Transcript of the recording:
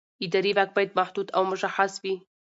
اداري واک باید محدود او مشخص وي.